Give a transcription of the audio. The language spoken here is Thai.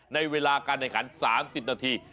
ในเวลาการแข่งขัน๓๐นาที